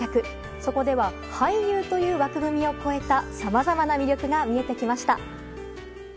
そこでは俳優という枠組みを超えたさまざまな魅力が見えてきました。